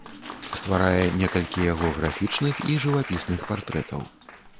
Стварае некалькі яго графічных і жывапісных партрэтаў.